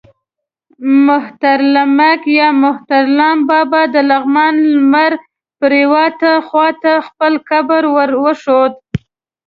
مهترلمک یا مهترلام بابا د لغمان لمر پرېواته خوا ته خپل قبر ور وښود.